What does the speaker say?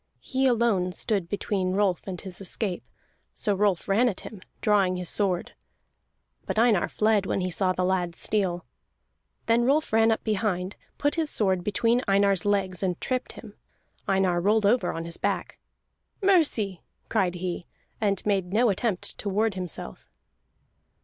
He alone stood between Rolf and his escape. So Rolf ran at him, drawing his sword. But Einar fled when he saw the lad's steel. Then Rolf ran up behind, put his sword between Einar's legs, and tripped him. Einar rolled over on his back. "Mercy!" cried he, and made no attempt to ward himself.